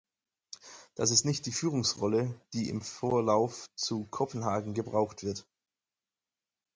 Das ist nicht die Führungsrolle, die im Vorlauf zu Kopenhagen gebraucht wird.